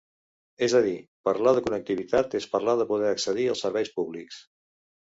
És a dir, parlar de connectivitat és parlar de poder accedir als serveis públics.